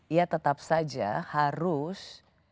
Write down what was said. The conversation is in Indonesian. ia tetap saja harus